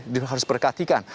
dia harus perhatikan